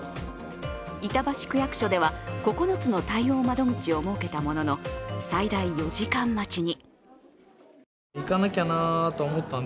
板橋区役所では、９つの対応窓口を設けたものの最大４時間待ちに。